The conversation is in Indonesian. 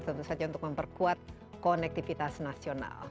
tentu saja untuk memperkuat konektivitas nasional